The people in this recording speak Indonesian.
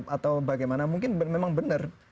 atau bagaimana mungkin memang benar